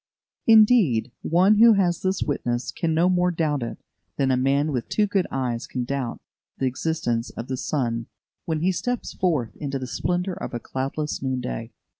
Indeed, one who has this witness can no more doubt it than a man with two good eyes can doubt the existence of the sun when he steps forth into the splendour of a cloudless noon day.